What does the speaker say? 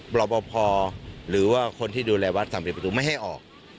รอบพอหรือว่าคนที่ดูแลวัดทำปิดประตูไม่ให้ออก